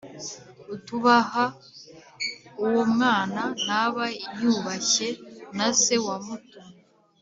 Utubaha uwo Mwana, ntaba yubashye na Se wamutumye